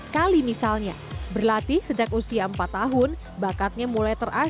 kali misalnya berlatih sejak usia empat tahun bakatnya mulai terasa